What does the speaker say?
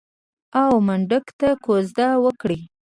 او منډک ته کوژده وکړي.